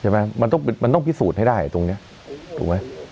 ใช่ไหมมันต้องพิสูจน์ให้ได้ตรงเนี่ยถูกไหม